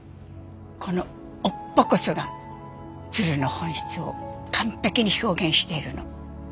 この尾っぽこそが鶴の本質を完璧に表現しているの。